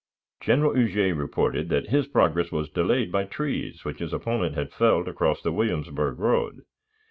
General Huger reported that his progress was delayed by trees which his opponent had felled across the Williamsburg road.